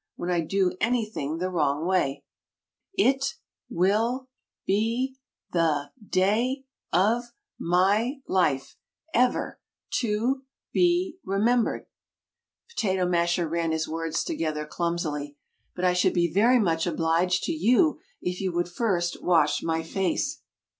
when I do anything the wrong way." "It will be the day of my life ever to be remembered " Potato Masher ran his words together clumsily "But I should be very much obliged to you if you would first wash my face." [Illustration: "First wash my face."